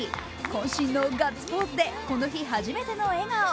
こん身のガッツポーズでこの日初めての笑顔。